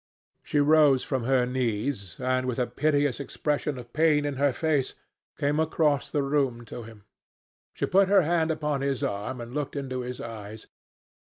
She rose from her knees and, with a piteous expression of pain in her face, came across the room to him. She put her hand upon his arm and looked into his eyes.